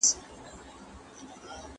شریعت د انسانانو غوښتنې پوره کوي.